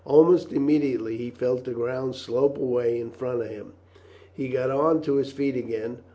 Almost immediately he felt the ground slope away in front of him. He got on to his feet again.